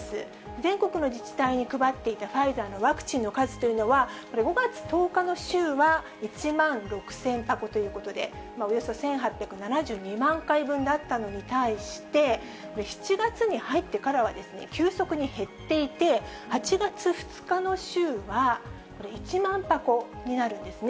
全国の自治体に配っていたファイザーのワクチンの数というのは、５月１０日の週は１万６０００箱ということで、およそ１８７２万回だったのに対して、７月に入ってからは、急速に減っていて、８月２日の週は、これ、１万箱になるんですね。